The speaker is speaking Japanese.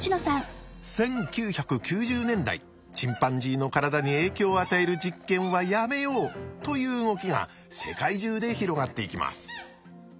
１９９０年代チンパンジーの体に影響を与える実験はやめようという動きが世界中で広がっていきます。